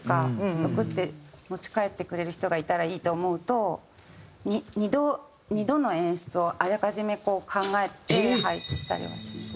「ゾクッ」って持ち帰ってくれる人がいたらいいと思うと２度２度の演出をあらかじめこう考えて配置したりはします。